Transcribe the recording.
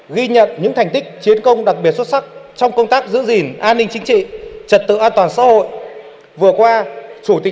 xin chân trọng kính mời đồng chí